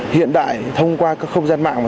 hiện đại thông qua các không gian mạng mà chúng ta có